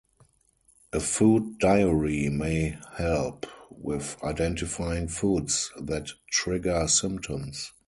A food diary may help with identifying foods that trigger symptoms.